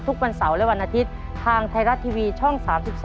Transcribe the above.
ทุกวันเสาร์และวันอาทิตย์ทางไทยรัฐทีวีช่อง๓๒